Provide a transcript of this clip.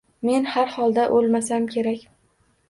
Men har holda, o’lmasam kerak!